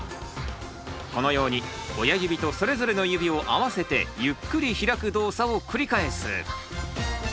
このように親指とそれぞれの指を合わせてゆっくり開く動作を繰り返す。